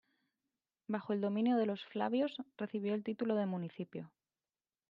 Bajo el dominio de los Flavios recibió el título de municipio.